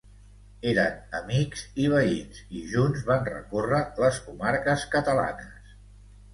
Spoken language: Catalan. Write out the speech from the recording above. Eren amics i veïns, i junts van recórrer les comarques catalanes.